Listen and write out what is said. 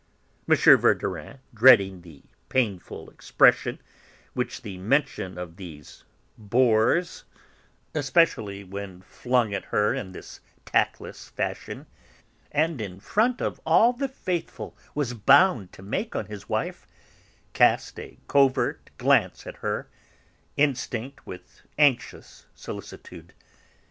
M. Verdurin, dreading the painful impression which the mention of these 'bores,' especially when flung at her in this tactless fashion, and in front of all the 'faithful,' was bound to make on his wife, cast a covert glance at her, instinct with anxious solicitude.